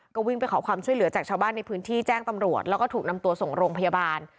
ก็วิ่งไปขอความช่วยเหลือจากชาวบ้านในพื้นที่แจ้งตำรวจแล้วก็ถูกนำตัวส่งโรงพยาบาล